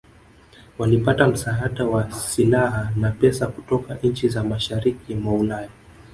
Walipata msaada wa silaha na pesa kutoka nchi za mashariki mwa Ulaya